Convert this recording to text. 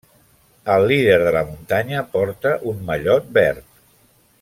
El líder de la muntanya porta un mallot verd.